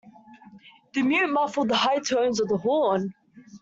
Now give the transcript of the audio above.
The mute muffled the high tones of the horn.